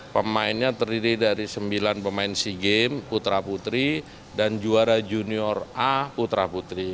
pemainnya terdiri dari sembilan pemain sea games putra putri dan juara junior a putra putri